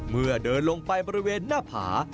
เมื่อเดินลงไปบริเวณหน้าผา